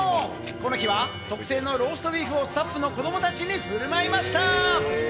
この日は特製のローストビーフをスタッフの子供たちに振る舞いました。